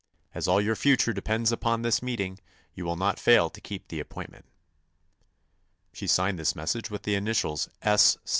As all your future depends upon this meeting you will not fail to keep the appointment." She signed this message with the initials "S.